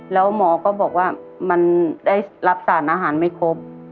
แล้วหมอก็บอกว่ามันได้รับสารอาหารไม่ครบ